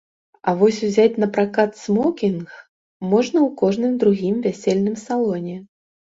А вось узяць напракат смокінг можна ў кожным другім вясельным салоне.